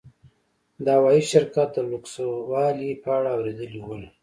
د هوايي شرکت د لوکسوالي په اړه اورېدلي ول.